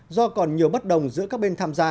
do còn nhiều bất đồng giữa các bên